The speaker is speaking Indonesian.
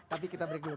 tapi kita break dulu